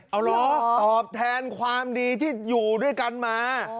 เอาเหรอตอบแทนความดีที่อยู่ด้วยกันมา